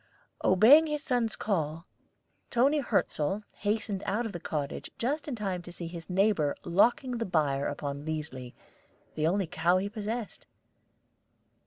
Obeying his son's call, Toni Hirzel hastened out of the cottage just in time to see his neighbor locking the byre upon Liesli, the only cow he possessed.